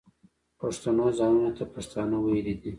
پښتنو ځانونو ته پښتانه ویلي دي.